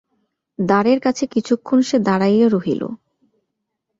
দ্বারের কাছে কিছুক্ষণ সে দাঁড়াইয়া রহিল।